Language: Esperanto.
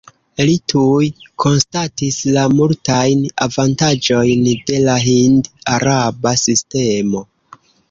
Li tuj konstatis la multajn avantaĝojn de la hind-araba sistemo.